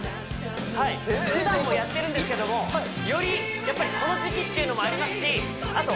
はいふだんもやってるんですけどもよりやっぱりこの時期っていうのもありますしあと